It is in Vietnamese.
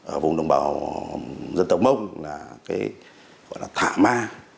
ở vùng đồng bào dân tộc mông gọi là thả ma